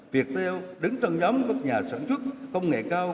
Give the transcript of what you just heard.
việt theo đứng trong nhóm các nhà sản xuất công nghệ cao